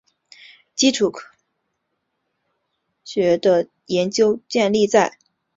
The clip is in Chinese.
基础科学的研究建立在受控制的实验和仔细观察的基础上。